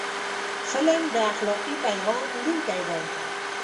فلم د اخلاقي پیغام وړونکی دی